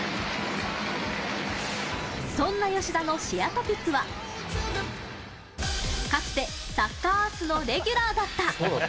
そんな吉田のシェアＴＯＰＩＣは、かつて『サッカー★アース』のレギュラーだった。